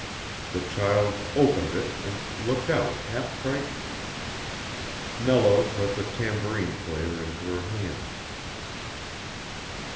The child opened it and looked out half frightened. Nello put the tambourine player into her hands.